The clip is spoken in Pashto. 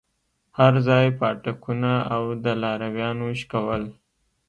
هرځاى پاټکونه او د لارويانو شکول.